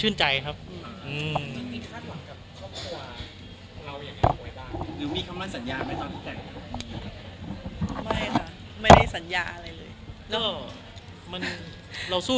เรียกงานไปเรียบร้อยแล้ว